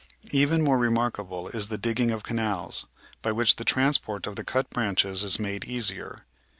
Even more remarkable is the digging of canals, by which the transport of the cut branches is made easier.